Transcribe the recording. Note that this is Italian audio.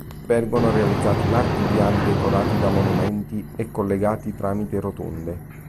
Vengono realizzati larghi viali decorati da monumenti e collegati tramite rotonde.